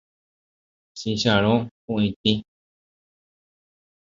Chicharõ huʼitĩ.